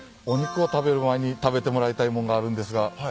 お肉を食べる前に食べてもらいたい物があるんですが。